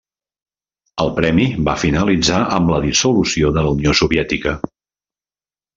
El premi va finalitzar amb la dissolució de la Unió Soviètica.